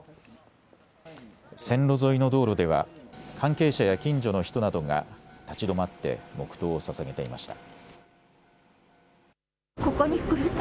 線路沿いの道路では関係者や近所の人などが立ち止まって黙とうをささげていました。